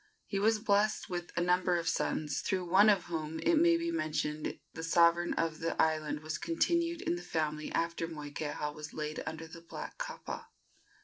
He was blessed with a number of sons, through one of whom, it may be mentioned, the sovereignty of the island was continued in the family after Moikeha was laid under the black kapa.